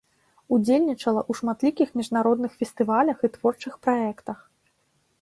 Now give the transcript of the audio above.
Удзельнічала ў шматлікіх міжнародных фестывалях і творчых праектах.